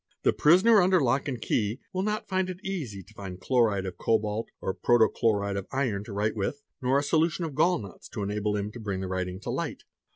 'The prisoner § under lock and key will not find it easy to find chloride of cobalt or | protochloride of iron to write with, nor a solution of gall nuts to enable | him to bring the writing to light.